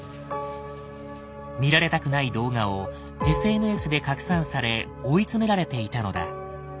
見られたくない動画をＳＮＳで拡散され追い詰められていたのだ。